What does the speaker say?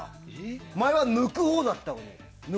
前は抜くほうだったのに。